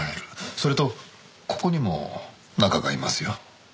それとここにも「中」がいますよ。